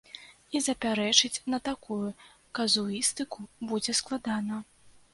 І запярэчыць на такую казуістыку будзе складана.